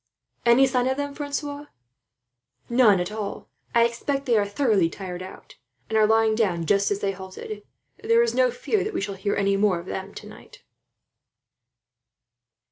"Any sign of them, Francois?" "None at all. I expect they are thoroughly tired out, and are lying down just as they halted. There is no fear that we shall hear any more of them, tonight."